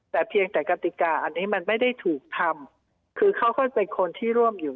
แต่เพียงแต่กติกาอันนี้มันไม่ได้ถูกทำคือเขาก็เป็นคนที่ร่วมอยู่